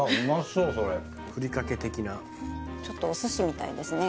そうそれふりかけ的なちょっとお寿司みたいですね